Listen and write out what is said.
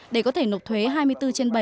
để có thể nộp thuế hai mươi bốn trên bảy